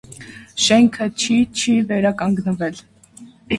Շենքը չի չի վերականգնվել։